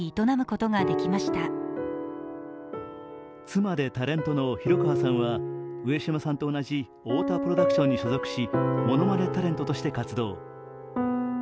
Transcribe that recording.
妻でタレントの広川さんは上島さんと同じ太田プロダクションに所属しものまねタレントとして活動。